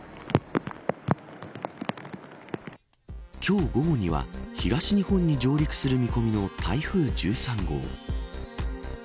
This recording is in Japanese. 今日午後には東日本に上陸する見込みの台風１３号。